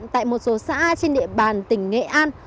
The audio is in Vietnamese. tại một số xã trên địa bàn tỉnh nghệ an